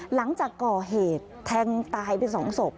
หลังจากก่อเหตุแทงตายไป๒ศพ